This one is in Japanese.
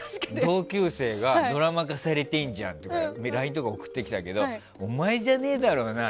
同級生がドラマ化されてんじゃんってＬＩＮＥとか送ってきたけどお前じゃねえだろうな？